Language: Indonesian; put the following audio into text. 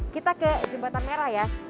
kita ke jembatan merah ya